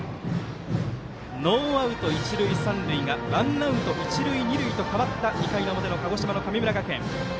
ノーアウト、一塁三塁がワンアウト、一塁二塁と変わった２回の表の鹿児島の神村学園。